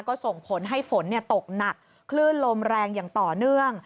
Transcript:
ก็ส่งผลให้ฝนตกหนักคลื่นลมแรงอย่างต่อเนื่อง